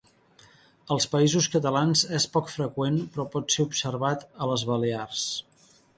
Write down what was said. Als Països Catalans és poc freqüent però pot ser observat a les Balears.